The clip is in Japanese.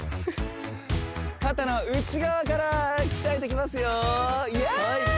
肩の内側から鍛えていきますよイエース！